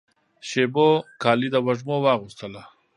شېبو کالي د وږمو واغوستله